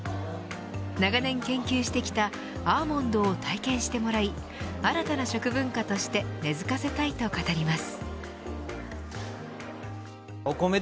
長年研究してきたアーモンドを体験してもらい新たな食文化として根づかせたいと語ります。